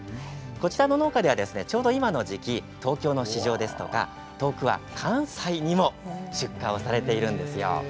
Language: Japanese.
こちらの農家ではちょうど今の時期、東京の市場ですとか遠くは関西にも出荷されているんです。